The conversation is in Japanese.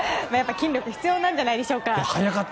筋力が必要なんじゃないでしょうか。